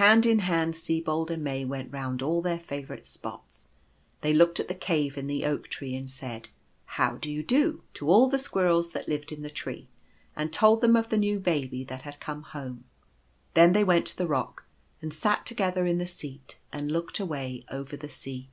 Hand in hand Sibold and May went round all their favourite spots. They looked at the cave in the Oak tree, and said "How do you do?" to all the squirrels that lived in the tree, and told them of the new Baby that had come home. Then they went to the rock, and sat together in the seat, and looked away over the sea.